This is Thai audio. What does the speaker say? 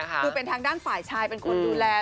คือเป็นทางด้านฝ่ายชายเป็นคนดูแล